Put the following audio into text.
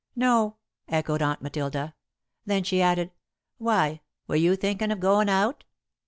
"No," echoed Aunt Matilda. Then she added: "Why? Were you thinkin' of goin' out?"